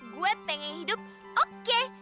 gue pengen hidup oke